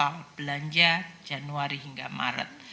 jadi ini adalah belanja januari hingga maret